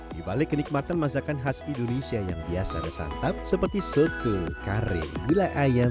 dibalik kenikmatan masakan khas indonesia yang biasa dan santap seperti soto kare gula ayam